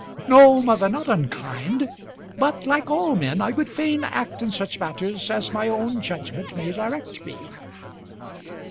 "No, mother, not unkind; but like all men, I would fain act in such matters as my own judgment may direct me."